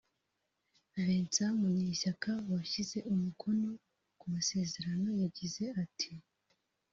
Vincent Munyeshyaka washyize umukono ku masezerano yagize ati